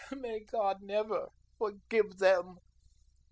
May God never forgive them."